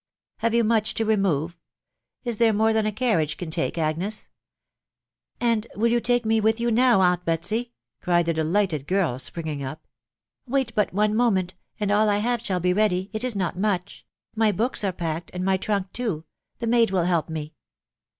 Have you much to remove ? Is there more than a carriage can take, Agnes ?"" And will you take me with you now, aunt Betsy '?" cried the delighted girl, springing up. " Wait hut one moment, and all I have shall be ready .... it is not much. ... My hooks are packed, and my trunk too .... the maid will help me."